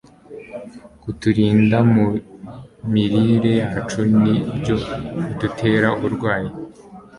kutirinda mu mirire yacu ni byo bidutera uburwayi